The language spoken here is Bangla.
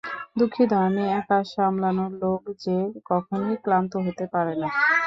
দুঃখিত, আমি একা সামলানোর লোক যে কখনোই ক্লান্ত হতে পারে না।